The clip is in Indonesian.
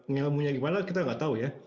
ngamunya gimana kita nggak tahu ya